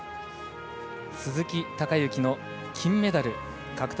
鈴木孝幸の金メダル獲得。